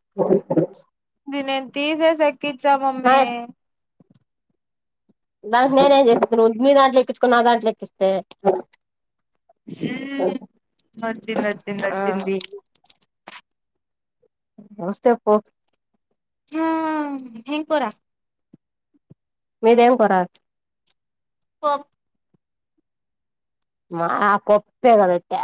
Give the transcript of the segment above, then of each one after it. కే దిన్ని తీసేస ఎక్కిచ్చా మా మమ్మీ దానికి నేనేం జేస్తను నీ దాంట్లో ఎక్కించుకొని నా దాంట్లో ఎక్కిస్తే మ్మ్మ్మ్ వచ్చింది దొచ్చింది ఆ వచ్చింది. వస్తే పో హ... ఏం కూర మీదేం కూర పొ మా పొప్పే కదెట్టే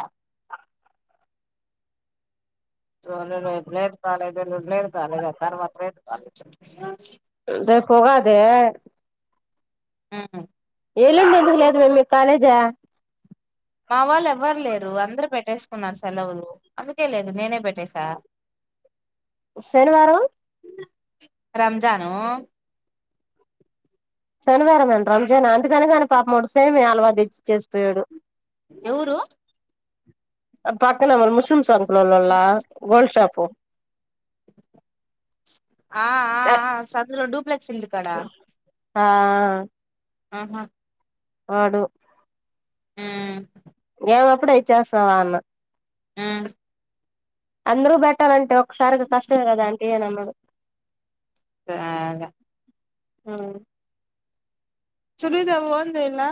రేపు లేదు కాలేజ్ ఎల్లుండి లేదు కాలేజ్ తర్వాత లేదు కాలేజ్ రేపు ఉగాది ఆ ఎల్లుండి ఎందుకు లేదు మీకు కాలేజీ యా మా వాళ్ళు ఎవ్వరు లేరు అందరు పెట్టేసుకున్నారు సెలవులు అందుకే లేదు నేనే పెట్టేసా శనివారం రంజాను శనివారం ఆ రంజాన్ అందుకని ఆయన పాపం వాడు సేమ్యా హల్వా తెచ్చి ఇచ్చిచేసిపోయాడు ఎవరు ఆ పక్కన మన ముస్లిమ్స్ వా ల్లో లోళ్ళ గోల్డ్ షాపు ఆ ఆ సందులో డూప్లెక్స్ ఇల్లు కాడ ఆ ఆహా వాడు ఆ ఏ అప్పుడే ఇచ్చేస్తావా అన్న ఆ అందరూ పెట్టాలంటే ఒకసారికి కష్టమే కదా ఆంటీ అని అన్నాడు ఇగ ఆ చులీదా ఉందేలా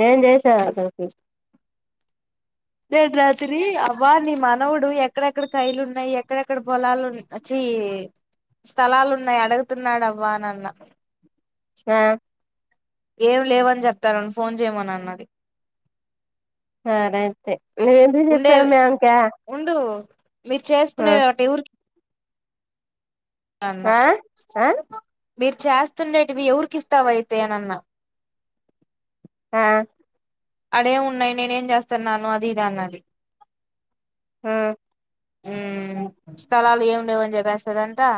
నేను చేసా రడ్ రాత్రి అవ్వా నీ మానవుడు ఎక్కడెక్కడ కైలు ఉన్నాయి ఎక్కడెక్కడ పొలాలున్నాయి చీ ఈ స్థలాలు ఉన్నాయి అడుగుతున్నాడవ్వ అని అన్న ఆ ఏం లేవని చెప్తాను ఫోన్ చేయమను అన్నది సరే అయితే ఎందుకు చెప్పావు ఉండేవి మే వానికి ఉండు మీరు చేసుకునే ఒకటి ఊరికి అన్నా ఆ ఆ మీరు చేస్తుండేటివి ఎవరికి ఇస్తావయితే అని అన్నా ఆ అడే ఉన్నాయి నేనేం చేస్తున్నాను అది ఇది అన్నది ఆ ఉమ్ స్థలాలు ఏమి లేవని చెప్పేస్తదంటా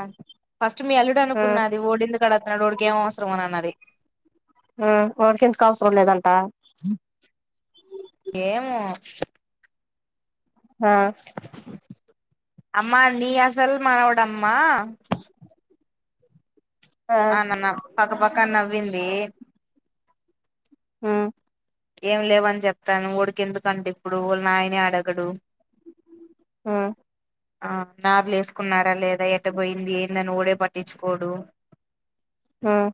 ఫస్ట్ మీ అల్లుడు ఆ అనుకున్నది ఓడిందుకు అడుగుతాడు ఓడికి ఏం అవసరం అని అన్నది ఆడికి ఎందుకు అవసరం లేదంట ఏమో ఆ అమ్మా నీ అసలు మనువాడమ్మా ఆ అనన్నా పక్కపక్క నవ్వింది ఉమ్ ఏం లేవని చెప్తాను ఉడికి ఎందుకంటడి ఇప్పుడు వాళ్ళ నాయనే అడగడు ఆ ఆ నార్లు వేసుకున్నారా లేదా ఎట్ట పోయింది ఏందని ఊడే పట్టించుకోడు ఉమ్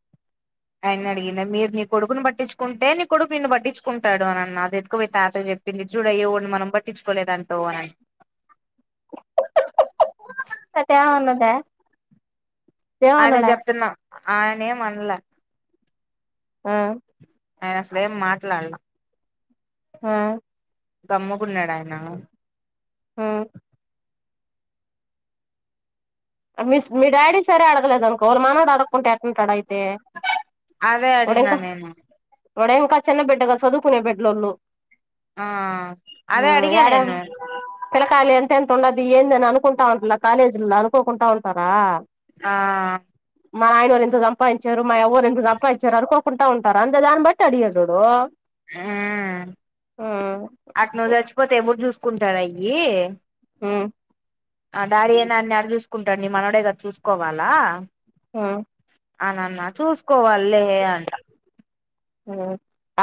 అయ్యన్నీ అడిగిందా మీరు నీ కొడుకును పట్టించుకుంటే నీ కొడుకు నీన్ను పట్టించుకుంటాడు అనన్న అది ఎతుకపోయి తాతకి చెప్పింది చూడయ్యోడిని మనం పట్టించుకోలేదంటో అని అత్తయ ఉన్నదా ఆయన చెప్తున్నాం ఆయన ఏం అన్నల ఆ అసల్ ఏం మాట్లాడలా ఆ దమ్ముకున్నాడు ఆయన ఆ మీ మీ డాడీ సరే అడగలేదు అనుకో మానోడు అడుగకుంటా ఎట్లా ఉంటాడు అయితే అదే అడిగినా నేను ఇప్పుడు ఇకా చిన్న బిడ్డగా చదువుకునే బిడ్లళ్ళు ఆ అదే అడిగా నేను పిలకాయలు ఎంత ఎంత ఉండదు ఏంద అని అనుకుంటా ఉంటారా కాలేజీలో అనుకోకుంటా ఉంటారా ఆ మా నాయన ఎంత సంపాదించారు మా ఎవరు ఎంత సంపాదించారు అనుకోకుండా ఉంటారు అంతే దాన్ని బట్టి అడిగాడు వోడు మ్మ్ అటు ను చచ్చిపోతే ఎవరు చూసుకుంటారు అయ్యి హ్మ్ ఆ డాడీ అనాని అడ చూసుకుంటాడు నీ మనవడేగాద చూసుకోవాలా అనన్నా చూసుకోవాలి లే అంట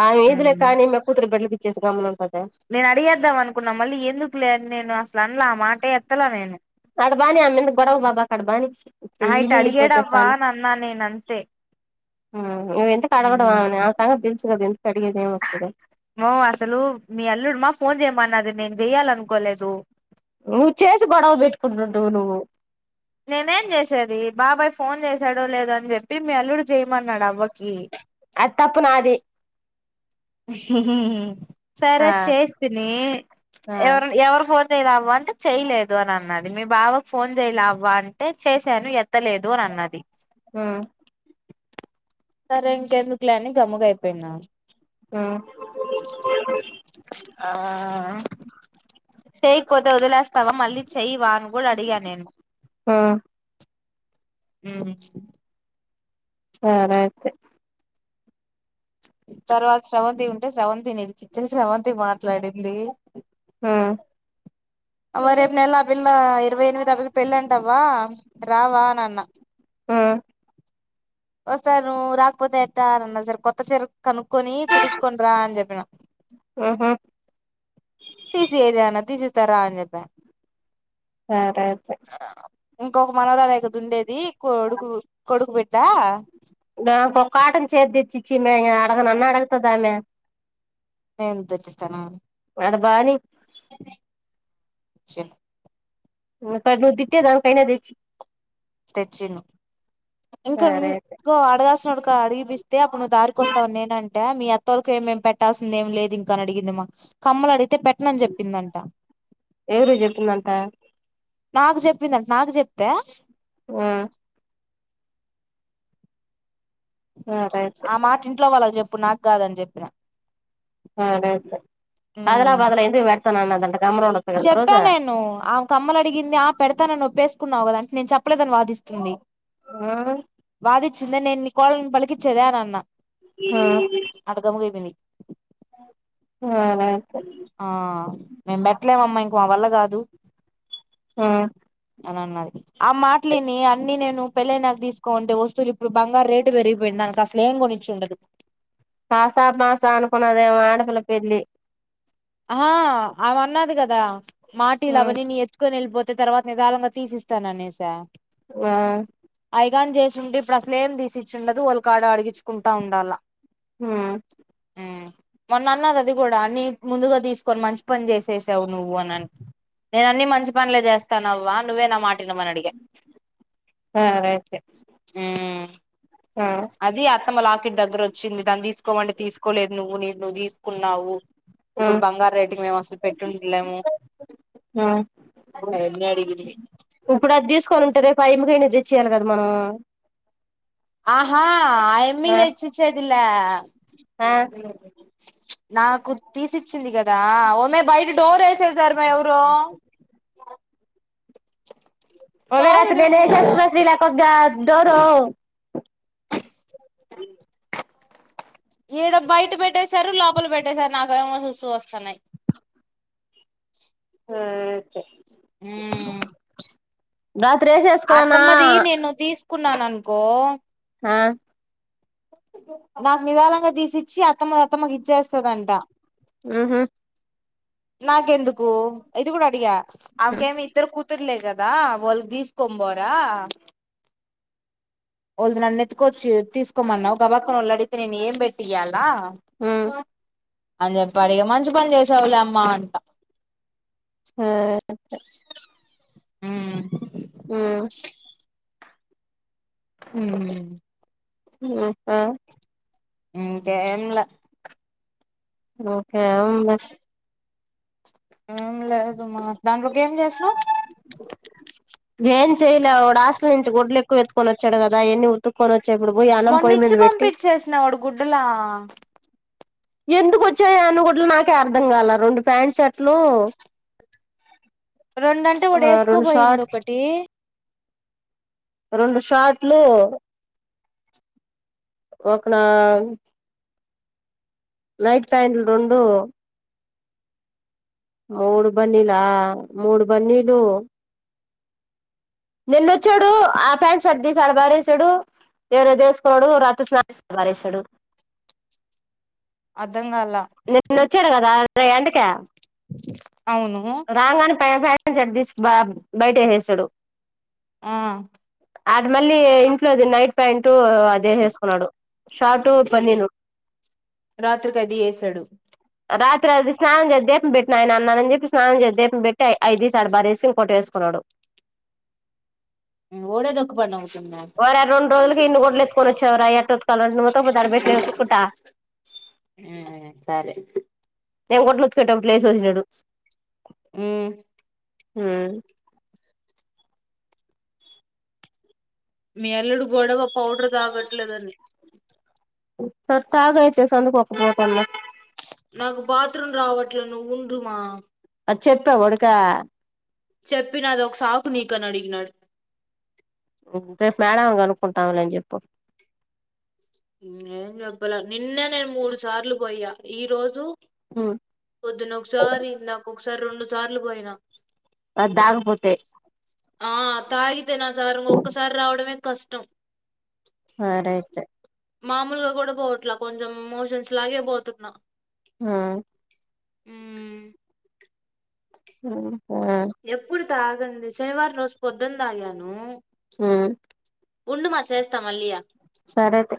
ఆమె ఇదిలే కానీ మ కూతురు బడ్లుకిచ్చేసి గమనం ప నేను అడిగేద్దాం అనుకున్నాం మళ్ళీ ఎందుకు లేని నేను అసలు అనలా ఆ మాటె ఎత్తల నేను కడబానీ ఆమె గొడవ బాబా కడబనీ ఆహా ఇటు ఈని పోతే అడిగాడవ్వా పోనీ అని అన్నా నేను అంతే నువ్వు ఎందుకు అడగడం వల్ల సంగతి తెల్ అసలు మీ అల్లుడు మా ఫోన్ చేయమన్నది నేను చెయాల అనుకోలేదు తో నువ్వు చేసి గొడవ పెట్టుకుంటుడు నువ్వు నేనేం చేసేది బాబాయ్ ఫోన్ చేసాడో లేదో అని చెప్పి మీ అల్లుడు చేయమన్నాడు అవ్వకి అత్తప్పు నాది సరే ఆ చేస్తస్తని ఆ ఎవరు ఎవరు చేయలావ అంటే చేయలేదు అని అన్నది మీ బాబాకు ఫోన్ చేయలే అవ్వ అంటే చేసాను చెత్తలేదు అని అన్నది ఉ సరే ఇంక ఎందుకులేని గముగయిపోయినా మ్మ్ ఆ చేయకపోతే వదిలేస్ స్తవా మళ్ళీ చెయయివా అని కూడా అడిగా నేను ఉ మ్మ్ సరే అయితే తర్వాత శ్రవంతి ఉంటే శ్రవంతి నీడికి ఇచ్చేసి శ్రవంతి మాట్లాడింది మ్మ్ అవ్వ రేపు నెల ఆ పిల్ల ఇరవై ఎనిమిది ఆ పిల్ల పెళ్ళంటవవా రావా అన్ అన్నా ఆ వస్తారు నువ్ రాకపోతే ఎట్టా అన్న సరి కొత్త చీరా కనుక్కొని కుడుచుకోని రా అని చెప్పిన ఉహు తీసీ ఏజనా తీసీ ఇస్తారా అని చెప్ప [inaudible] ఇంకొక మనోరాలకదు ఉండేది కొ కొడుకు కొడుకుబిడ్ట్ట నా కొక్కటం సేర్తిచ్చచ్చి మ అడగ నన్న అడగతదామే నేను తెచ్చిస్తాను అడబానీ చె ను తిట్టే దం కైనా దేచీ స్టెచన్ ఇంకా ఇం సరే అయితే అడగాల్ అడిగిపిస్తేప్పుడు నువ్వు దారికోస్తవు నేన అంటే మీ అత్తవోలకి ఏం పెట్టాల్సింద ఏం లేదు ఇంక అడిగిందిమ్మా కమ్మలు అడితే పెట్టనని చెప్పిందంట ఎవరు చెప్పిందంట నాకు చెప్పిందింట నాకు చెప్తే ఆ సరే అయితే ఆ మాట ఇంట్లో వాళ్ళకి చెప్పు నాకు కాదని చెప్పిన ఆదల బధల ఎందుకు పెడతానన్నదట చెప్పా నేను ఆమె కమ్మలు అడిగింది ఆ పెడతానని ఒప్పేస్త కున్నావు కదాంటే నేను చెప్పలేదని వాదిస్తుంది ఆ వచ్చింద నేను నీ కోడల్ని పలికిచ్చేదే అని అన్నా ఆ అట్ట గముగైపోయింది సరే అయితే ఆ మెంబట్ అట్లేమమ్మా ఇంక మా వల్ల కాదు ఆ అని అన్నది ఆ మాటలని అన్ని నేను పెళ్ళై నాకు తీసుకోంటే వస్తు లిప్పుడు బంగారు రేటు పెరిగిపోయింద ఇన్కా అస్లేం కొనిచుండదు కాసా మాస అనుకున్నదేమో ఆడపిల పెళ్లి ఆ ఆమె అన్నాది కదా మాటీలు ఉమ్ అవన్నీ నీ ఎత్తుకొని వెళ్ళిపోత అ తర్వాత న దళంగా తీసి ఇస్తాను అనేసా ఆ పైగాన్ చేసి ఉండి ఇప్పుడు అసలే ఏం తీసిచ్చుండదు వాల్ కాడ అడిగిచుకుంటా ఉండాలా హ మొన్న అన్నది అది కూడా నీ ముందుగా తీసుకొని మంచి పని చేసేసావు నువ్వు అనన్ నేన అన్ని మంచి పనులే చేస్తానవ్వా నువ్వే నా మాట మనడిగా సరే అయితే మ్ ఆ అది అత్తమ్మ లాకిట్ దగ్గర వచ్చింది దాన్ని తీసుకోమండి తీసుకోలేదు నువ్వు నీది నువ్వు తీసుకున్నావు ఆ ఇప్పుడు బంగారు రేటింగ్ మేము అసలు పెట్టిండలేము ఆ ఆయన్ని అడిగింది ఈ దీసుకొని ఉంటే రేపు ఆ యమ్మ కైనా తెచ్చియాలి కదా మనము ఆహా ఆ యమ్మికి తెచ్చిచ్చేది లే అ నాకు తీసిచ్చింది కదా ఓమె బయట డోర్ ఏసే సార్ మె ఎవరో ఓమే రాత్రి తోలుడు పోవాల నేనేసేస్తి మే శ్రీలకోగ డోరు ఈడ బయట పెట్టసారు లోపల పెట్టసారు నాకేమో సుసూ వస్తున్నాయ్ సరే అయితే హ్మ్ రాత్రి వేసేసుకున్నా అత్తమ్మది నేను తీసుకున్నాను అనుకో ఆ నాకు నిదాళంగా తీసిచ్చి అత్తమ్మది అత్తమ్మకి ఇచ్చేస్తదంట హ్మ్ హు నాకెందుకు ఇది కూడా అడిగా ఉమ్ ఆమెకేమి ఇద్దరు కూతుర్లే క దా వాళ్లకి తీసుకొని పోరా వాళ్ళుది నన్నెత్తుకొచ్చి తీసుకోమన్నావు గబాక్కన వాళ్ళు అడిగితే నేను ఏం పెట్టి ఇయ్యాలా అని చెప్పి అడిగ మంచి పని చేశావులే అమ్మా అంట హ్మ్ హ్మ్ హ్మ్ హ్మ్ ఆ హ్మ్ ఇంకేం లా ఓకే అవునులే ఏం లేదు మా దాంట్లోకి ఏం చేసినవ్ ఏం చేయలా వాడు హాస్టల్ నుంచి గుడ్లు ఎక్కువ ఎత్తుకొనోచ్చాడు కదా ఆయన్ని ఉతుక్కొనొ మొన్న ఇచ్చి పంపించేసిన వాడు గుడ్డలా ఎందుకు వచ్చాయో అన్ని గుడ్డలు నాకే అర్ధం కాల రెండు ప్యాంట్ షర్ట్లు రెండంటే ఆ రెండు వడేఏసుకోపోయింది షార్ట్ ఒకటి రెండు షాట్లు ఒకనా నైట్ ప్యాంట్లు రెండు మూడు బనిలా మూడు బన్నిలు నిన్న వచ్చాడు ఆ ప్యాంట్ షర్ట్ తీసి ఆడ పారేశాడు. వేరేది ఏసుకోడు రాత్రి స్నా చేసి పారేశాడు అర్ధం కాల నిన్న వచ్చాడు కదా ఎర్ర ఎండకి అవును రాంగానే పైన ప్యాంటు షర్టు తీసి బ బయట ఏసేసాడు. ఆ ఆడు మళ్ళీ ఇంట్లోది నైట్ ప్యాంటు అదే ఏసేసుకున్నాడు షార్ట్ బన్నిను ఉ కది ఏశాడు త్రా అది స్నానం చేసి దీపం పెట్టు నాయనా అన్నాను అని చెప్పేసి స్నానం చేసి దీపం పెట్టి అయితీసి అడబారేసి ఇంకోటి వేసుకున్నాడు. ఓడే దొకు పడినావ్ ఒరే రెండు రోజులకి ఇన్ని గుడ్లు ఎత్తుకోనోచ్చవురా యట్ట ఉతకాల అంటే నువ్ ఉతక్కపోతే ఆడబెట్టు నేను ఉతుక్కుంటా మ్మ్ సరే నేను గుడ్లు ఉతికేటప్పుడు లేచివచ్చిచూడు. ఊ ఉ మీ అల్లుడు గొడవ పౌడర్ తాగట్లేదని సర్ తాగ అయితే సందుకోకపోతన్నా నాకు బాత్ రూం రావట్లే నువ్వు ఉండు మా అద్ చెప్పా వడకా చెప్పిన అది ఒక సాకు నీకని అడిగినాడు రేపు మేడంని కనుకుంటాంలే అని చెప్పు ఏం చెప్పలా నిన్నే నేను మూడు సార్లు పోయ్యా ఈ రోజు పొద్దున ఒకసారి నాకొ ఒకసారి రెండుసార్లు పోయినా అద్దగపోతే ఆ తాగితేనా సార్ ఒక్కసారి రావడమే కష్టం సరైతే మామూలుగా కూడా పోవట్లా కొంచెం మోషన్స్ లాగే పోతున్ ఆ ఊమ్ ఆ ఎప్పుడు తాగంది శనివారం రోజు పొద్దున తాగాను. ఊ ఉండుమా చేస్తాం మళ్లియా సరే అయితే